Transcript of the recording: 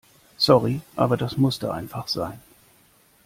Sorry, aber das musste einfach sein.